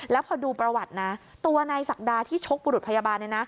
แล้วพอดูประวัตินะตัวนายศักดาที่ชกบุรุษพยาบาล